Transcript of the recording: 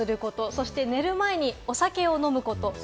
そして寝る前にお酒を飲むこと。